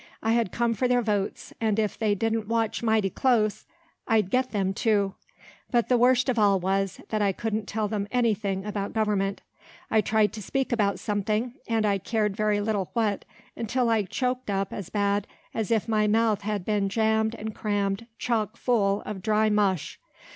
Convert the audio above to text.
I had come for their votes, and if they didn't watch mighty close, I'd get them too. But the worst of all was, that I couldn't tell them any thing about government. I tried to speak about something, and I cared very little what, until I choaked up as bad as if my mouth had been jam'd and cram'd chock full of dry mush.